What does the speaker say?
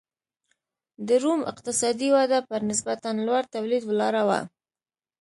د روم اقتصادي وده پر نسبتا لوړ تولید ولاړه وه.